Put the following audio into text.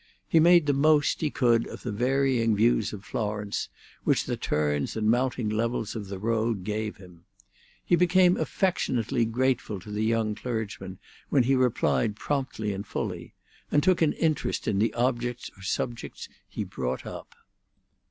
He made the most he could of the varying views of Florence which the turns and mounting levels of the road gave him. He became affectionately grateful to the young clergyman when he replied promptly and fully, and took an interest in the objects or subjects he brought up.